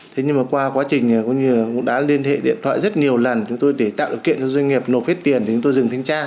thế nhưng mà qua quá trình cũng đã liên hệ điện thoại rất nhiều lần chúng tôi để tạo điều kiện cho doanh nghiệp nộp hết tiền thì chúng tôi dừng thanh tra